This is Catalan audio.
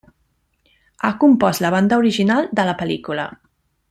Ha compost la banda original de la pel·lícula.